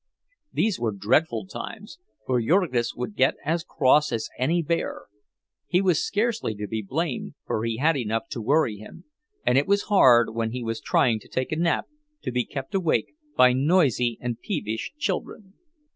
These were dreadful times, for Jurgis would get as cross as any bear; he was scarcely to be blamed, for he had enough to worry him, and it was hard when he was trying to take a nap to be kept awake by noisy and peevish children.